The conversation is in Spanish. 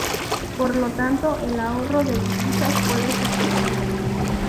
Por lo tanto, el ahorro de divisas puede ser pequeño.